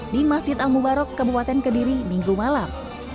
di masjid al mubarak kebuatan kediri minggu malam